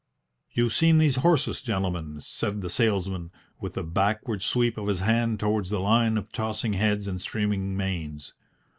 "You've seen these horses, gentlemen," said the salesman, with a backward sweep of his hand towards the line of tossing heads and streaming manes.